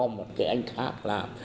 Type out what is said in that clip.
một cái anh khác làm